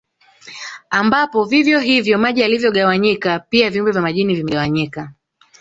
Ambapo vivyo hivyo maji yalivyogawanyika pia viumbe vya majini vimegawanyika